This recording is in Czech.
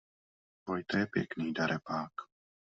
Vojta je pěkný darebák.